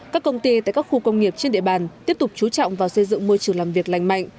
các công ty tại các khu công nghiệp trên địa bàn tiếp tục chú trọng vào xây dựng môi trường làm việc lành mạnh